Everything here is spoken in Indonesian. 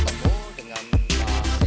saya didamping oleh